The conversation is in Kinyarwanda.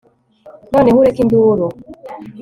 noneho ureke induru